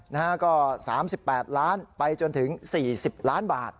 นะฮะก็๓๘ล้านไปจนถึง๔๐ล้านบาท